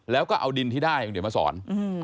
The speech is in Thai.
แล้วก็เอาดินที่ได้คุณเดี๋ยวมาสอน